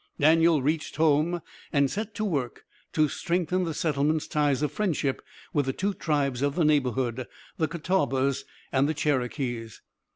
Daniel reached home, and set to work to strengthen the settlement's ties of friendship with the two tribes of the neighborhood, the Catawbas and the Cherokees.